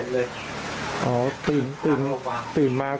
แล้วหลังจากนั้นก็